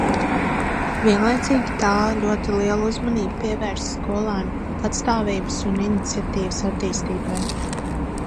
Vienlaicīgi tā ļoti lielu uzmanību pievērsa skolēnu patstāvības un iniciatīvas attīstībai.